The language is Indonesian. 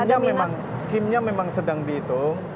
ya skimnya memang sedang dihitung